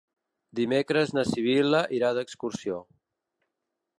Dimecres na Sibil·la irà d'excursió.